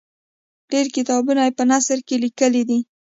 ډېر کتابونه یې په نثر کې لیکلي دي.